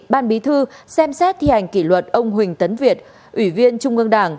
ban bí thư xem xét thi hành kỷ luật ông huỳnh tấn việt ủy viên trung ương đảng